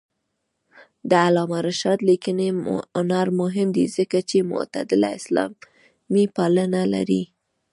د علامه رشاد لیکنی هنر مهم دی ځکه چې معتدله اسلاميپالنه لري.